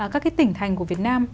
các cái tỉnh thành của việt nam